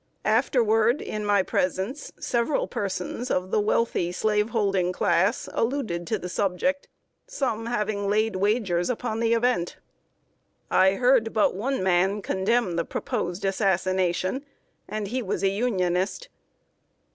Afterward, in my presence, several persons of the wealthy, slaveholding class, alluded to the subject, some having laid wagers upon the event. I heard but one man condemn the proposed assassination, and he was a Unionist.